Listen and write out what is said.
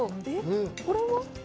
これは？